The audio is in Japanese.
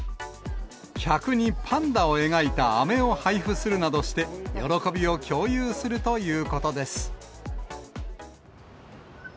客にパンダを描いた雨を配布するなどして、喜びを共有するということです。